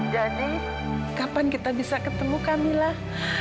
jadi kapan kita bisa ketemu kamilah